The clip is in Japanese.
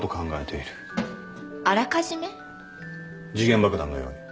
時限爆弾のように。